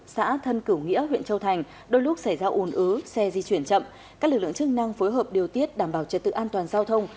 xe di chuyển chậm các lực lượng chức năng phối hợp điều tiết đảm bảo trật tự an toàn giao thông